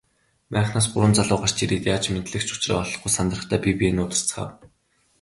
Майхнаас гурван залуу гарч ирээд яаж мэндлэх ч учраа олохгүй сандрахдаа бие биеэ нударцгаав.